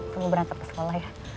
tunggu berantem ke sekolah ya